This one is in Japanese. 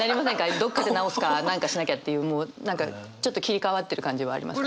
どっかで直すか何かしなきゃっていうもう何かちょっと切り替わってる感じはありましたね。